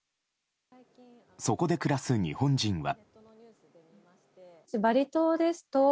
そこで暮らす日本人は。